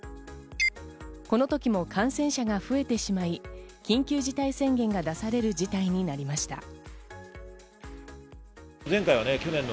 この時も感染者が増えてしまい、緊急事態宣言が出される事態になりました。